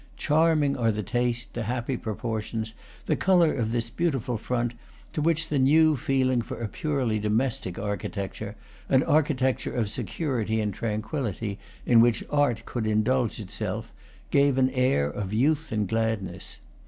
Charming are the taste, the happy proportions, the color of this beautiful front, to which the new feeling for a purely domestic architec ture an architecture of security and tranquillity, in which art could indulge itself gave an air of youth and gladness.